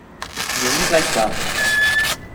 Wir sind gleich da.